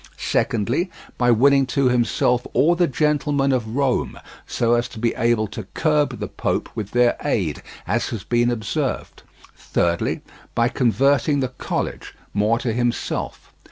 Secondly, by winning to himself all the gentlemen of Rome, so as to be able to curb the Pope with their aid, as has been observed. Thirdly, by converting the college more to himself.